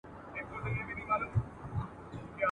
پل غوندي بې سترګو یم ملګری د کاروان یمه ..